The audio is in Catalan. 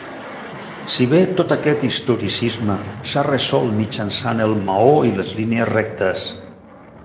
Si bé tot aquest historicisme s'ha resolt mitjançant el maó i les línies rectes.